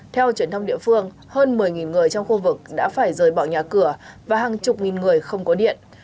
theo truyền thông địa phương hơn một mươi người trong khu vực đã phải rời bỏ nhà cửa và hàng chục nghìn người không có điện